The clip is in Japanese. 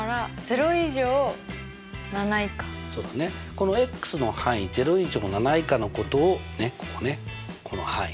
このの範囲０以上７以下のことをねっここねこの範囲